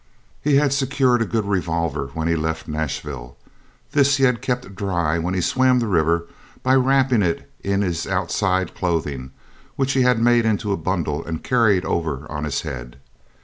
He had secured a good revolver when he left Nashville. This he had kept dry when he swam the river by wrapping it in his outside clothing, which he had made into a bundle, and carried over on his head.